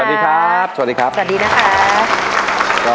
สวัสดีครับสวัสดีครับสวัสดีนะคะ